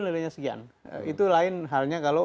nilainya sekian itu lain halnya kalau